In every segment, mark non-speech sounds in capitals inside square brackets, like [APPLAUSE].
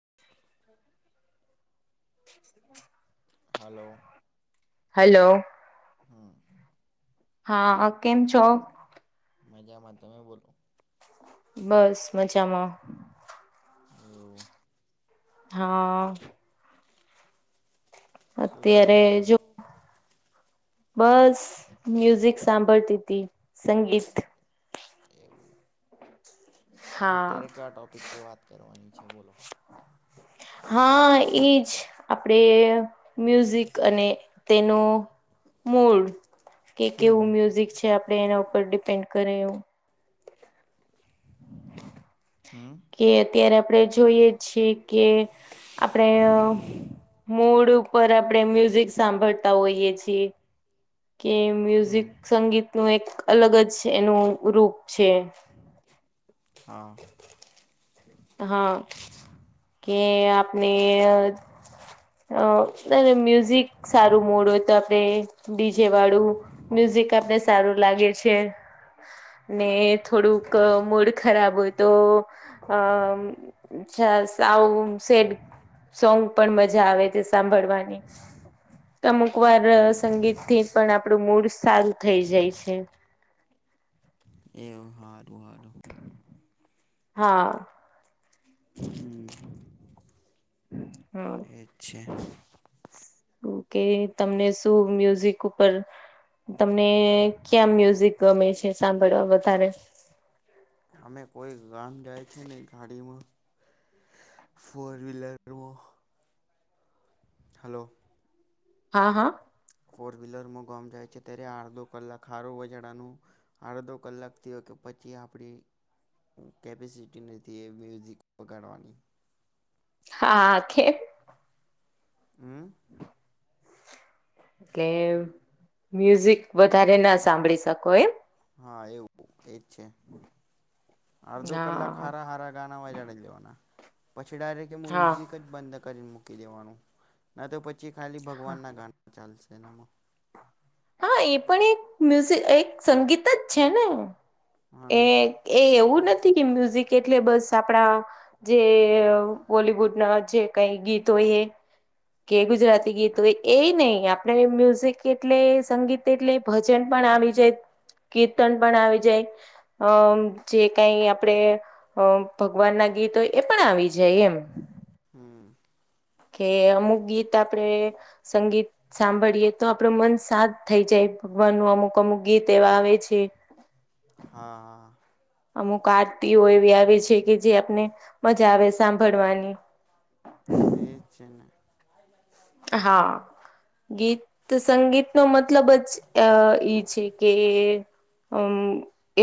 [INAUDIBLE] હ [UNINTELLIGIBLE] hello hello. હમ. હા કેમ છો? મજામાં છીએ તમે બોલો. બસ મજામાં. હમ. હા. શું કરો છો અત્યારે તમે? જો બસ મ્યુઝિક સાંભળતી હતી સંગીત. એવું હા અત્યારે કયા ટોપિક પે વાત કરવાની છે બોલો [INAUDIBLE] હા એજ આપડે મ્યુઝિક અને તેનું મડ કે કેવું હમ મ્યુઝિક છે આપડે એના ઉપર ડિપેન્ડ કરે હ હમ કે અત્યારે આપડણે જોઈએ છીએ કે આપણેે મૂડ ઉપર આપણેે મ્યુઝિક સાંભળતા હોઈય છીએ કે હમ મ્યુઝિક સંગીતનુંું એક અલગ જ એનું રૂપ છે હા હા કે આપને અ અને મ્યુઝિક સારું મોડ હોય તો આપડે ડીજે વાળું મ્યુઝિક આપને સારું લાગે છે ને થોડુંક મૂડ ખરાબ હોય તો અ અચ્છા સાઉ સેડ સોંગ પણ મજા આવે છે સાંભળવાની અમુક વાર સંગીત એવું થી પણ આપડું મૂડ સારું થઈ જાય છે એવ સારું હારું [INAUDIBLE] હા હમ [INAUDIBLE] [INAUDIBLE] હા અચ્ છે કે તમને શું મ્યુઝિક ઉપર તમને ક્યાં મ્યુઝિક ગમે છે સાંભળવા વધારે અમે કોઈ ગામ જાય છે ને ગાડીમાં ફોર વ્હીલરમાં હલો હા હા ફોર વ્હીલરમાં ગામ જાય છે ત્યારે અડધો કલાક સારું વજાડાનું અડધો કલાકથી હો કે પછી આપણી કેપેસિટી નથી એ મ્યુઝિક વગાડવાની હા કેે હમ એટલે મ્યુઝિક વધારે ના સાંભળી શકો એમ હા એવું એજ છે અડધો કલાક હા હારા હારા ગાના વાજડી લેવાના પછી ડાયરેક્ટ હા મ્યુઝિક જ બંધ કરી મૂકી દેવાનું ના તો પછી ખાલી હા ભગવાનના ગાના ચાલશે એનામાં હા એ પણ એક મ્યુઝ એક સંગીત જ છે ને એ હ એ એવું નથી કે મ્યુઝિક એટલે બસ આપણા. જે બોલિવુડ ના જે કઈ ગીતો હોય એ. કે ગુજરાતી ગીતો હોય એ નહી આપણે મ્યુઝિક એટલે સંગીત એટલે. ભજન પણ આવી જાય કીર્તન પણ આવી જાય અમ જે કઈ આપડે અ ભગવાન ના ગીતો હોય એ પણ આવી જાય એમ હમ કે અમુક ગીત આપડે સંગીત સાંભળીએ તો આપડું મન શાંત થઇ જાય ભગવાનનું અમુક અમુક ગીત એવા આવે છે. હા. અમુક આરતીઓ એવી આવે છે કે જે આપને મજા આવે સાંભળવાની. એજ છેને. હા. ગીત તો સંગીતનો મતલબ જ અ ઈ છે કે. અમ.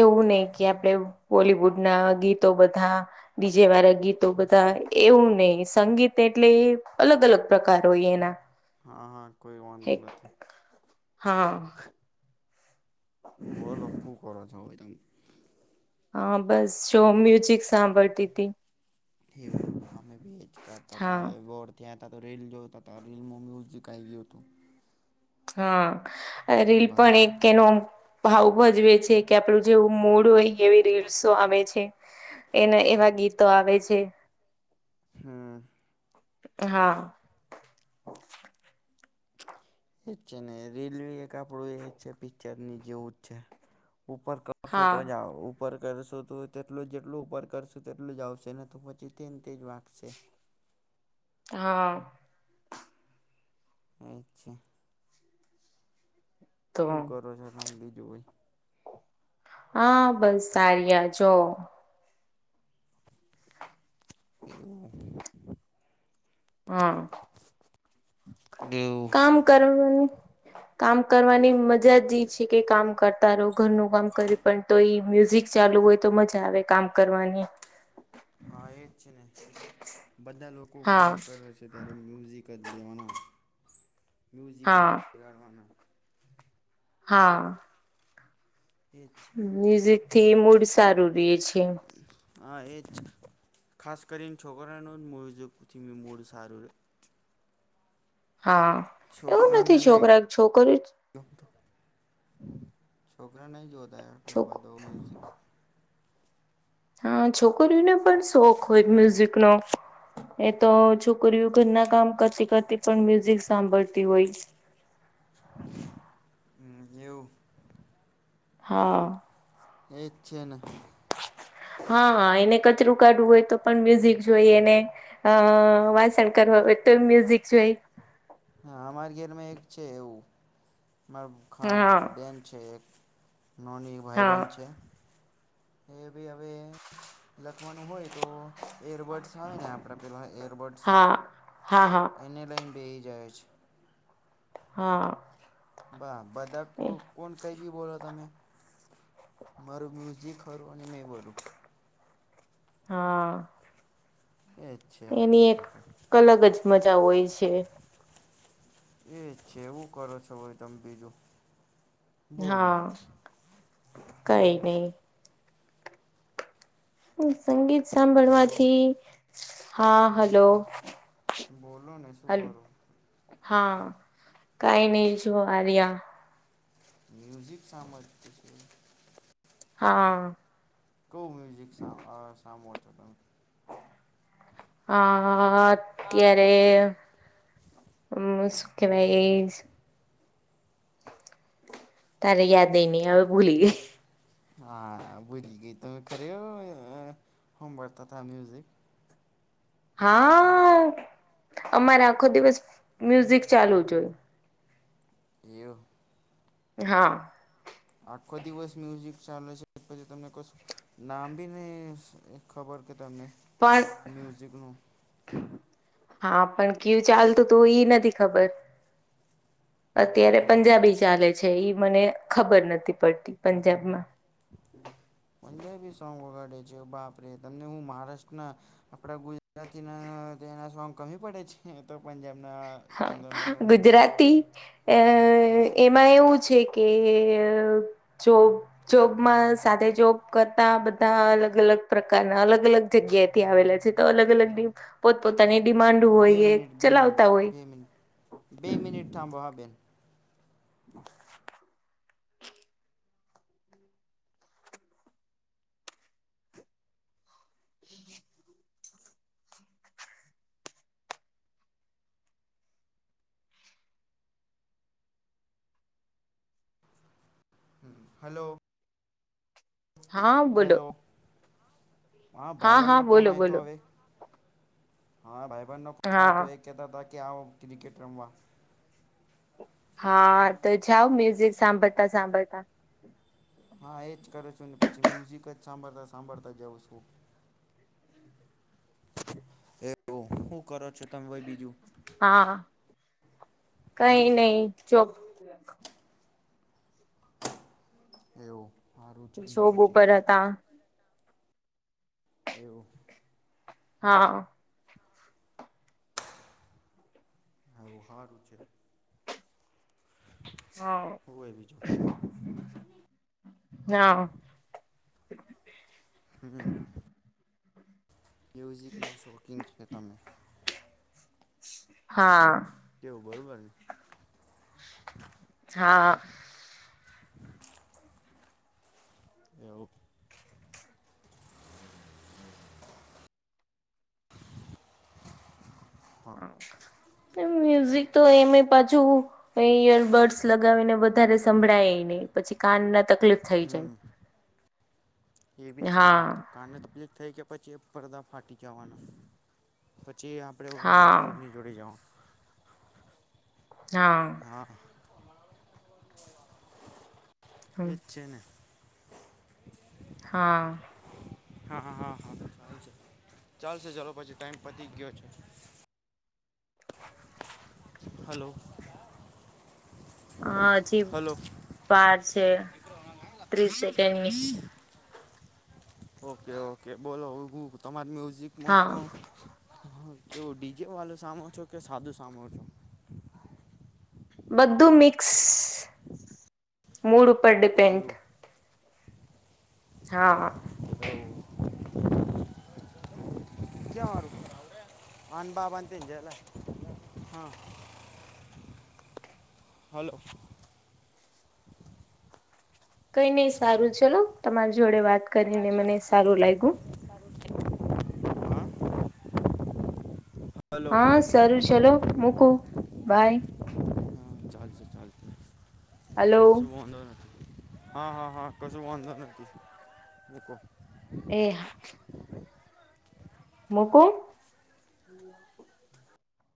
એવું નહી કે આપડે બોલવુડના ગીતો બધા ડીજે વાળા ગીત તો બધા એવું નહી સંગીત એટલે અલગ-અલગ પ્રકાર હોય એના. હા હા કોઈ વાંધો નથી. હા. બોલો હું કરો છો હવે તમે. હા બસ જો મ્યુઝિક સાંભળતી હતી. એવું અમે બી એજ કરતા હતા હા હવે ગોડ. તે હતા તો રીલ જોરા હતો હતા રેલમાં મ્યુઝિક આ ગયો હતો. હા આ રીલ પણ બસ એક કેનો ભાવ ભજવે છે કે આપણું જેવું મૂડ હોય એવી રીલ્સો આવે છે. એના એવા ગીતો આવે છે. હમ્મ. હા. એ છે ને રીલવી એક આપડું એ છે પિક્ચર ની જેવું જ છે ઉપર વષતો હા જાઓ. ઉપર કરશો તો તેટલું જેટલું ઉપર કરશું તેટલું જ આવશે ને તો પછી તેને તે જ વાંગશે. હા. અચ્છા. તો હું કરો છો તમ બીજું હોય. હા બસ સારી આ જો. એ. હમ્મ દેવું કામ કરવાનું. કામ કરવાની મજા જ છે કે કામ કરતા રહો ઘરનું કામ કરી. પણ તો એ મ્યુઝિક ચાલુ હોય તો મજા આવે કામ કરવાની. હા એજ છે ને બધા લોકો હા કામ કરે છે. ને ત્યારે મ્યુઝિક જેવા મ્યુઝિક વગાડવાના. મ્યુઝિક જ હા વગાડવાના. હા. એ જ છે મ્યુઝિક થી મૂડ સારું રે છે. હા એ જ ખાસ કરીને છોકરાનું જ મોવઝકથી મૂળ સારું રહે. હા. એવું છોકરા ને નથી નઈ. છોકરા છોકરી છોકરા નહી જોતા આટલો છોક બધો મ્યુઝિક. હા છોકરીઓને પણ શોખ હોય મ્યુઝિકનો. એ તો છોકરીઓ ઘર ના કામ કરતી કરતી પણ મ્યુઝિક સાંભળતી હોય. [INAUDIBLE] હમ એવુ હા. એજ છે, ને હા એને કચરું કાઢવું હોય તો પણ મ્યુઝિક જોઈ એને. અ વાંસણ કરવા હોય તો મ્યુઝિક જોય. હા અમારી ઘરમાં એક છે એવું મારા હા બેન છે એક. નોની ભાઈ હા બંધ છે. એ ભી હવે લખવાનું હોય તો. એરબડ્સ આવે ને આપણા પેલાં એરબડ્સ હા હા એને લઈને બેહી જાય છે. હા. બા બદા કો હા કોન કંઈ બી બોલો તમે મારું મ્યુઝિક ખરું અને મેં બોલું હા. એ એની એક અલગ જ મજા હોય છે. એ છેવું કરો છો ભાઈ તમે બીજું બોલો હા કઈ નહી હુ સંગીત હલો સાંભળવાથી હા હલો બોલો ને શું હલો કરો? હા કઈ નહી શું આર્યા મ્યુઝિક સાભળતી છે. હા. કયું મ્યુઝિક સા અ સામોછો, તમે? હા અત્યારે હમ શુ કેવાય એજ તારે યાદેય ની આવે ભૂલી ગેય હા, બુજી ગઈ તમે ખરે અ હંભાળતા તા મ્યુઝિક. હા અમારે આખો દિવસ મ્યુઝિક ચાલુ જોય એવુ હા. આખો દિવસ મ્યુઝિક ચાલે છે, પછી તમને કશું નામ ભી નહી ખબર કે તમને? મ્યુઝિકનું પણ હા પણ કયુ ચાલતું તો ઈ નથી ખબર અત્યારે એવું પંજાબી ચાલે છે, ઈ મને ખબર નથી પડતી પંજાબમાં પંજાબી સોંગ વગાડે છે, બાપ રે તમને હું મહારાષ્ટ્રના આપડા ગુજરાતીના તેના સોંગ કમી પડે છે. હે તો પંજાબના સોગ ગમે સૌ રાતી એ એમાં એવું છે, કે જો જોબમાં સાથે જોબ કરતા બધા અલગ અલગ પ્રકારના અલગ અલગ જગ્યાએ થી આવેલા છે, તો અલગ અલગ પોતપોતાની ડિમાન્ડ બે હોય એ મિનિટ બે મિનિટ ચલાવતા હોય બે મિનિટ બે મનિટ થામ બો હા બેન હમ હાલો. હા બોલો હેલો હા ભાઈ બન હા નો ફોન બોલો આય તો બોલો હવે હા ભાઈ બહેન ન હા તો એ કેહેતા હતા કે આવ ક્રિકેટ રમવા હા તો જાવ મ્યુઝિક સાંભળતા સાંભળતા હા એજ કરો છુ ને પછી મ્યુઝિક જ સાંભળતા સાંભળતા જાઉ છું એવ શું કરો છ. હા. કઈ હમ નહી જો. એવું. સારું છે ને શોબ પછી ઉપર હતા. એવું હા. હવુ હારું છે. હોવે બી જો હા હમ. મ્યુઝિકના શોકીન છે, તમે હા. કેવું બરોબર. હા. એવ. હા. મ્યુઝિક તો એમ પાછુ. એ ઈયરબર્ડ્સ લગાવીને વધારે સંભળાય એને પછી કાન ના તકલીફ થઈ જાય. એ બી હા છેય કારણ તો. ક્લક થઈ કે પછી એ પડદા ફાટી જવાના પછી આપણે એ હા ડૉક્ટરની. જુડીે જૉ. હા. હા. વ્ છેેને. હા. હા હા હા હાા ચાલશે ચાલશે ચાલો પછી ટાઈમ પતી ગયો છે. હલો. હા હજી હલો બાર છે ત્રીસ સેકન્ડ. ઓકે ઓકે બોલો તમારી હા મ્યુઝિકમાં. હા કેવું ડીજે વાળું સામેો છો કે સાધુ સામો છો. બધું મિક્સ મૂડ ઉપર એવું ડિપેન્ડ. હા. એવું ક માું અન બાબંધંત જલા હા. હલો. કઈ નઈ સારું ચલો તમારી જોડે વાત કરીને મને સારું લાગ્યું. હા હલો હા સરારું ચલો મૂકું બાય. હા ચાલશે ચાલશે હલો સુંધ. હા હા હા કશું વાંધો નથી મકો. એહા. મૂકુમ.